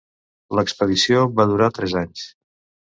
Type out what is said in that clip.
L'expedició va durar tres anys.